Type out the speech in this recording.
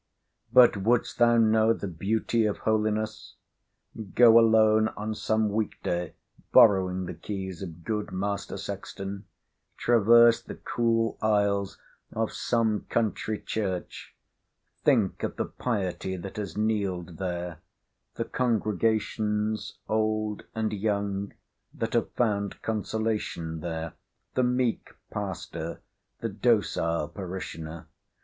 But would'st thou know the beauty of holiness?—go alone on some week day, borrowing the keys of good Master Sexton, traverse the cool aisles of some country church: think of the piety that has kneeled there—the congregations, old and young, that have found consolation there—the meek pastor—the docile parishioner.